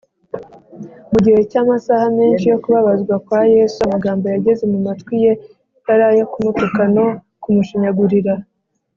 mu gihe cy’amasaha menshi yo kubabazwa kwa yesu, amagambo yageze mu matwi ye yari ayo kumutuka no kumushinyagurira